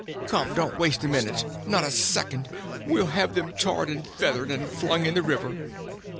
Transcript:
Come, don't waste a minute—not a second—we'll have them tarred and feathered, and flung in the river!"